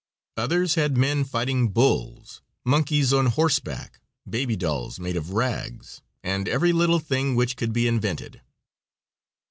Others had men fighting bulls, monkeys on horseback, baby dolls made of rags, and every little thing which could be invented.